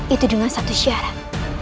itu dengan satu syarat